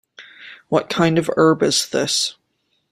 What kind of herb this is?